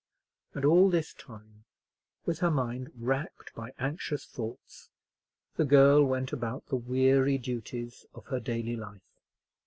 And all this time, with her mind racked by anxious thoughts, the girl went about the weary duties of her daily life.